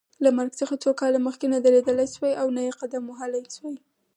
له مرګ څخه څو کاله مخکې نه درېدلای شوای او نه یې قدم وهلای.